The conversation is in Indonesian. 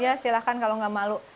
ya silahkan kalau nggak malu